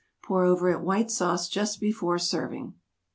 Pour over it White Sauce just before serving.